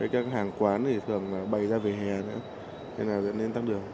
các hàng quán thì thường bay ra về hè nữa nên là dẫn đến tắt đường